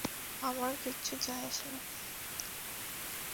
আমার কিচ্ছু যায় আসে না।